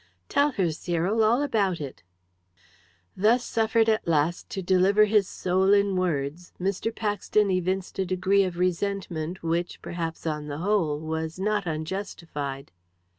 "Tell her, Cyril, all about it." Thus suffered at last to deliver his soul in words, Mr. Paxton evinced a degree of resentment which, perhaps, on the whole, was not unjustified.